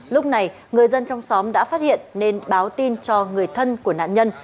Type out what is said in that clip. lúc này người dân trong xóm đã phát hiện nên báo tin cho người thân của nạn nhân